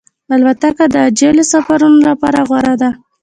الوتکه د عاجلو سفرونو لپاره غوره ده.